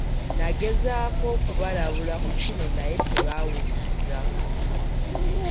Nagezaako okubalabula ku kino naye tebaawuliriza.